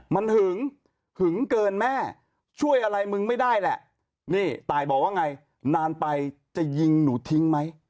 มันหึงหึงเกินแม่ช่วยอะไรมึงไม่ได้แหละนี่ตายบอกว่าไงนานไปจะยิงหนูทิ้งไหม